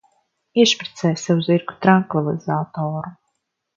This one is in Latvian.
Iešpricē sev zirgu trankvilizatoru.